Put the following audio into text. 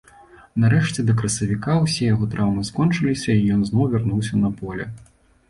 Нарэшце, да красавіка ўсе яго траўмы скончыліся і ён зноў вярнуўся на поле.